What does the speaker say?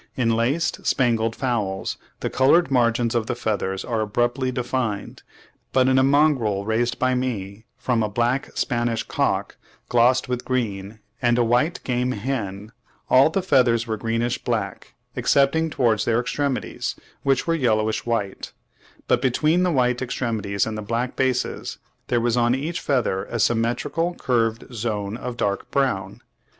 In laced and spangled fowls the coloured margins of the feathers are abruptly defined; but in a mongrel raised by me from a black Spanish cock glossed with green, and a white game hen, all the feathers were greenish black, excepting towards their extremities, which were yellowish white; but between the white extremities and the black bases, there was on each feather a symmetrical, curved zone of dark brown.